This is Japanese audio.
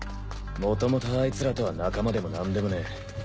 もともとアイツらとは仲間でもなんでもねえ。